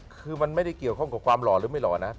คือมันไม่ได้เกี่ยวข้องกับความหล่อหรือไม่หล่อนะ